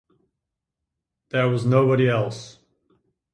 There was nobody else.